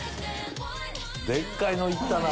でっかいの行ったな！